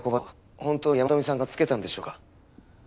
本当に山富さんがつけたんでしょうか？